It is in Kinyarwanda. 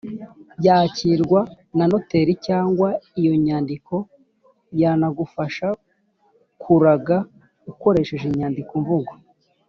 yakirwa na noteri cyangwa iyo nyandiko yanagufasha kuraga ukoresheje inyandiko mvugo.